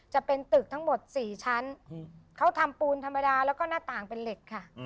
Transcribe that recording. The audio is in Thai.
จะเป็นตึกทั้งหมด๔ชั้นเขาทำปูนธรรมดาแล้วก็หน้าต่างเป็นเหล็กค่ะ